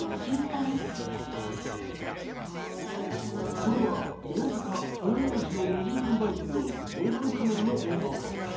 これは大阪・豊中市の無人販売店の防犯カメラの映像です。